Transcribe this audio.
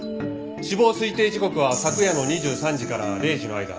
死亡推定時刻は昨夜の２３時から０時の間。